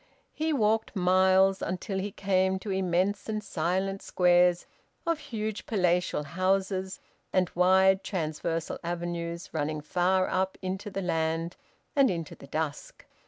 He walked miles, until he came to immense and silent squares of huge palatial houses, and wide transversal avenues running far up into the land and into the dusk.